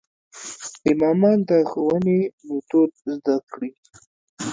امامان د ښوونې میتود زده کړي.